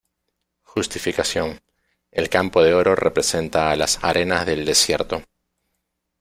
Justificación: El campo de oro representa a las arenas del desierto.